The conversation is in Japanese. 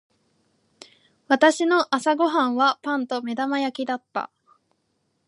私の朝ご飯はパンと目玉焼きだった。